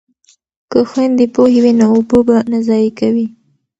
که خویندې پوهې وي نو اوبه به نه ضایع کوي.